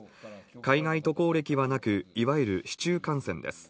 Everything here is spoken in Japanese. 海外渡航歴はなく、いわゆる市中感染です。